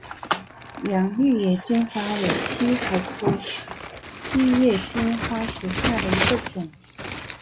洋玉叶金花为茜草科玉叶金花属下的一个种。